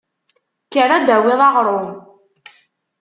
Kker ad d-tawiḍ aɣrum!